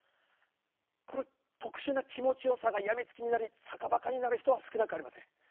この特殊な気持ちよさが病みつきになり坂バカになる人は少なくありません。